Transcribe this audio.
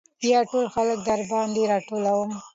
يا ټول خلک درباندې راټولم .